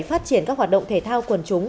phát triển các hoạt động thể thao quần chúng